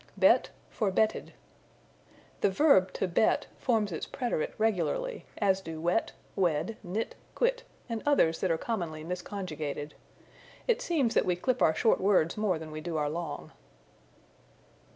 Bet for Betted. The verb to bet forms its preterite regularly, as do wet, wed, knit, quit and others that are commonly misconjugated. It seems that we clip our short words more than we do our long.